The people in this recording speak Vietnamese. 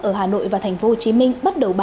ở hà nội và tp hcm bắt đầu